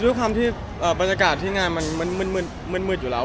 ด้วยความที่บรรยากาศที่งานมันมืดอยู่แล้ว